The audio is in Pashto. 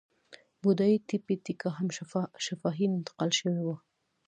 بودایي تیپي تیکا هم شفاهي انتقال شوې وه.